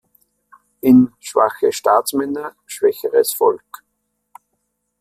In "Schwache Staatsmänner, schwächeres Volk!